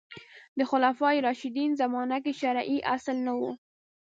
د خلفای راشدین زمانه کې شرعي اصل نه و